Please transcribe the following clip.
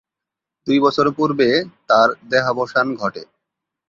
দুই বছর পূর্বে তার দেহাবসান ঘটে।